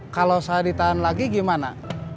kalau saya ditahan lagi gimana